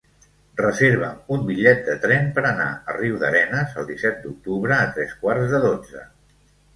Reserva'm un bitllet de tren per anar a Riudarenes el disset d'octubre a tres quarts de dotze.